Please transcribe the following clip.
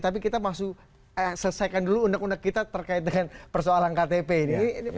tapi kita masuk selesaikan dulu undang undang kita terkait dengan persoalan ktp ini